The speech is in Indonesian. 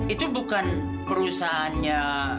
itu bukan perusahaannya